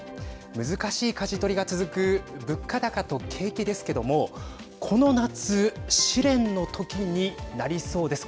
難しいかじ取りが続く物価高と景気ですけどもこの夏、試練のときになりそうです。